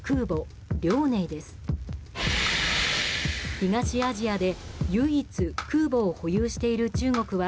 東アジアで唯一空母を保有している中国は